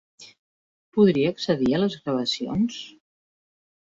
Podria accedir a les gravacions?